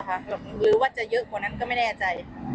หรือว่าจะเยอะกว่านั้นก็ไม่แน่ใจ